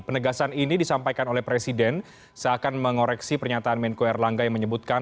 penegasan ini disampaikan oleh presiden seakan mengoreksi pernyataan menko erlangga yang menyebutkan